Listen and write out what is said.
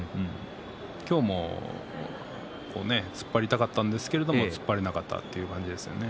今日も突っ張りたかったんですけれども突っ張れなかったという感じですね。